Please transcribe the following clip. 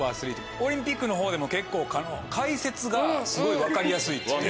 オリンピックのほうでも結構解説がすごい分かりやすいって。